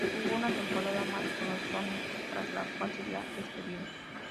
Jugó una temporada más con los Sonics, tras la cual sería despedido.